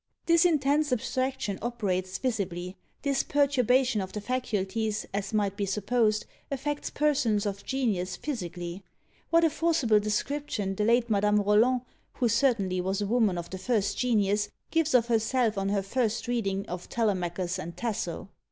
This intense abstraction operates visibly; this perturbation of the faculties, as might be supposed, affects persons of genius physically. What a forcible description the late Madame Roland, who certainly was a woman of the first genius, gives of herself on her first reading of Telemachus and Tasso.